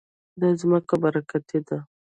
دا ځمکه برکتي ده.